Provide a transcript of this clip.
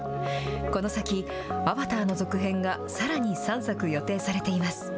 この先、アバターの続編がさらに３作予定されています。